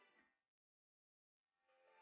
iya temen nih